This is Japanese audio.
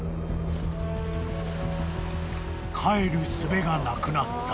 ［帰るすべがなくなった］